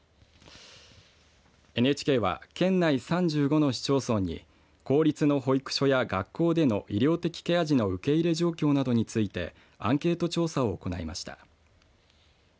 ＮＨＫは県内３５の市町村に公立の保育所や学校での医療的ケア児の受け入れ状況などについてアンケート調査を行いました。